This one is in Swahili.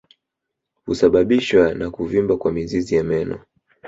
Husababishwa na kuvimba kwa mizizi ya meno